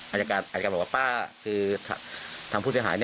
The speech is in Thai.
อายการบอกว่าป้าคือทางผู้เสียหาย